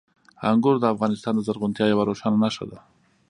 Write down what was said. انګور د افغانستان د زرغونتیا یوه روښانه نښه ده.